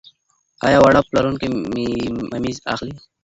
ایا واړه پلورونکي ممیز اخلي؟